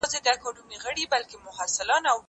زه پرون کتابونه وليکل؟!